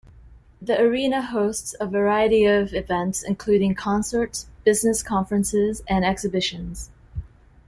The arena hosts a variety of events including concerts, business conferences and exhibitions.